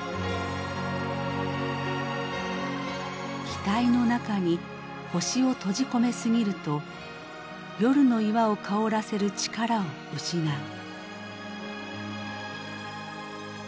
「ひたいの中に星を閉じこめすぎると夜の岩を薫らせる力を失う」。